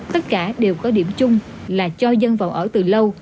tất cả đều có điểm chung là cho dân vào ở từ lâu